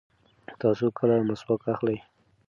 تاسو کله مسواک اخلئ؟